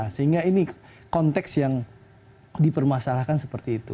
sehingga ini konteks yang dipermasalahkan seperti itu